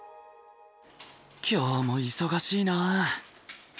今日も忙しいな。